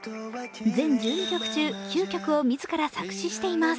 全１２曲中９曲を自ら作詞しています